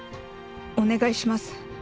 お願いします。